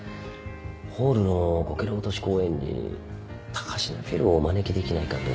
ホールのこけら落とし公演に高階フィルをお招きできないかと。